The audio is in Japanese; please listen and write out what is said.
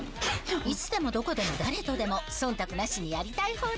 いつでもどこでも誰とでもそんたくなしにやりたい放題！